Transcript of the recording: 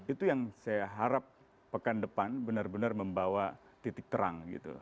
itu yang saya harap pekan depan benar benar membawa titik terang gitu